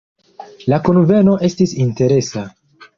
La kunveno estis interesa.